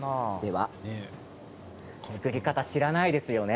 作り方、知らないですよね。